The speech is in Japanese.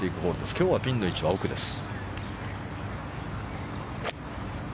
今日はピンの位置は奥です。